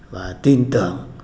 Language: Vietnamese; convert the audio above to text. và tin tưởng